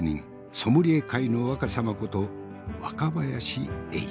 ソムリエ界の若さまこと若林英司。